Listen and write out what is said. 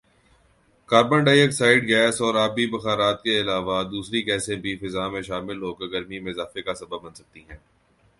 carbon dioxide gas اور آبی بخارات کے علاوہ ، دوسری گیسیں بھی فضا میں شامل ہوکر گرمی میں اضافے کا سبب بن سکتی ہیں